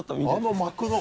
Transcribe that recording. あの幕の。